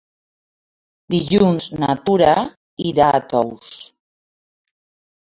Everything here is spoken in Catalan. Dilluns na Tura irà a Tous.